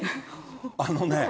あのね。